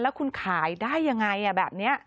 แล้วคุณขายได้ยังไงแบบนี้